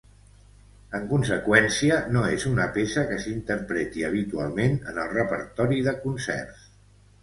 En conseqüència, no és una peça que s'interpreti habitualment en el repertori de concerts.